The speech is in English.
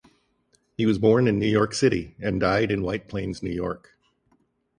He was born in New York City and died in White Plains, New York.